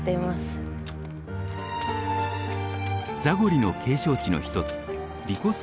ザゴリの景勝地の一つヴィコス